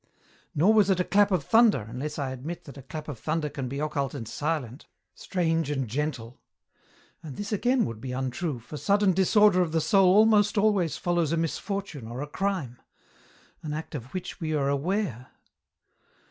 Nor was it a clap of thunder, unless I admit that a clap of thunder can be occult and silent, strange and EN ROUTE. 17 gentle. And this again would be untrue, for sudden disorder of the soul almost always follows a misfortune or a crime, an act of which we are aware.